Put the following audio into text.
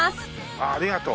ああ「ありがとう」。